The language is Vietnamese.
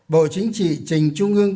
bộ chính trị trình trung ương